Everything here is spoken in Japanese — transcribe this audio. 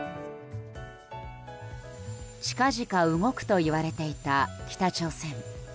近々動くといわれていた北朝鮮。